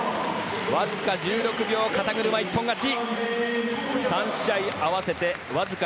わずか１６秒肩車で一本勝ち！